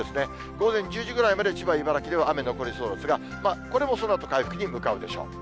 午前１０時ぐらいまで千葉、茨城では雨残りそうですが、これもそのあと、回復に向かうでしょう。